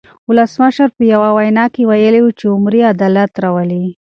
ولسمشر په یوه وینا کې ویلي وو چې عمري عدالت راولي.